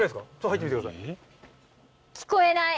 入ってみてください。